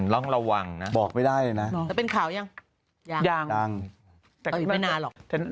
ต้องระวังนะบอกไม่ได้เลยนะแต่เป็นข่าวยังยังแต่ก็ไม่นานหรอก